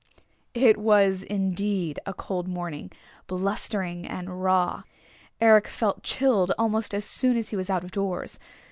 It was indeed a cold morning, blustering and raw. Eric felt chilled almost as soon as he was out of doors.